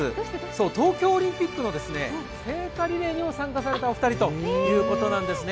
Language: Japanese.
そう、東京オリンピックの聖火リレーにも参加されたお二人ということなんですね。